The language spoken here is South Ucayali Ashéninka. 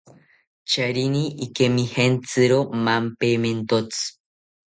Charini ikemijantziro mampamentotzi